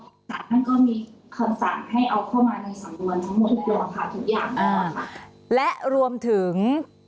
ท่านก็มีคำสั่งให้เอาเข้ามาในสำนวนทั้งหมดแล้วค่ะทุกอย่าง